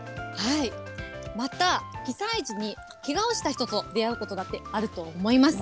また、被災地にけがをした人と出会うことだってあると思います。